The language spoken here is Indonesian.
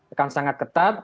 akan sangat ketat